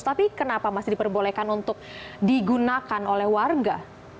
tapi kenapa masih diperbolehkan untuk digunakan oleh warga